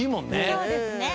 そうですね。